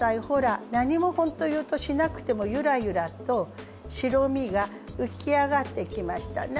ほら何もほんとしなくてもゆらゆらと白身が浮き上がってきました。